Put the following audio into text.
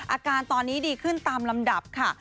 อาการตอนนี้ดีขึ้นตามลำดับค่ะ